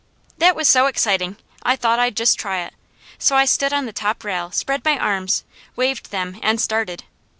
That was so exciting I thought I'd just try it, so I stood on the top rail, spread my arms, waved them, and started.